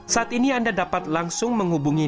saat ini anda dapat langsung menghubungi